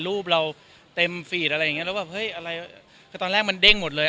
รูปเราเต็มฟีดอะไรอย่างเงี้แล้วแบบเฮ้ยอะไรคือตอนแรกมันเด้งหมดเลย